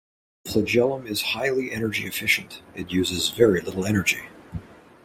The flagellum is highly energy efficient and uses very little energy.